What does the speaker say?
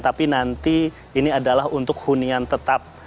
tapi nanti ini adalah untuk hunian tetap